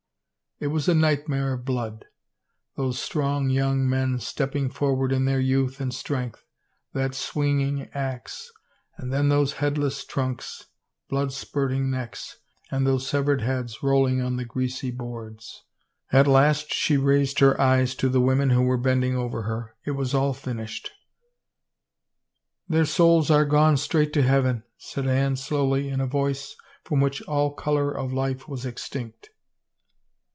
It was a nightmare of blood — those strong young men stepping forward in their youth and strength, that swinging ax — and then those headless trunks, blood spurting necks, and those severed heads rolling on the greasy boards. ... At last she raised her eyes to the women who were bending over her. It was all finished. *' Their souls are gone straight to heaven," said Anne slowly in a voice from which all color of life was ex tinct.